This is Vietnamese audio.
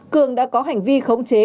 cường đã có hành vi khống chế